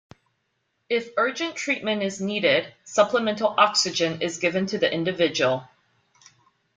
If urgent treatment is needed, supplemental oxygen is given to the individual.